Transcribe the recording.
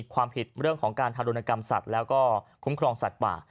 ความผิดเรื่องของการทารุณกรรมสัตว์แล้วก็คุ้มครองสัตว์ป่า